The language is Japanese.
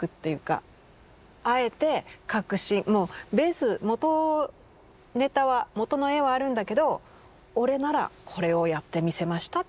あえて描くしもうベースもとネタはもとの絵はあるんだけど俺ならこれをやってみせましたっていうことを。